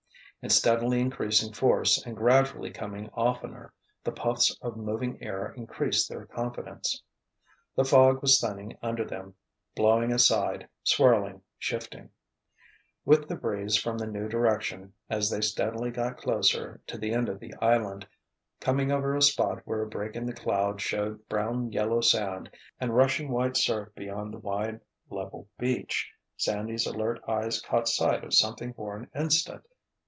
In steadily increasing force, and gradually coming oftener, the puffs of moving air increased their confidence. The fog was thinning under them, blowing aside, swirling, shifting. With the breeze from the new direction, as they steadily got closer to the end of the island, coming over a spot where a break in the cloud showed brown yellow sand and rushing white surf beyond the wide level beach, Sandy's alert eyes caught sight of something for an instant.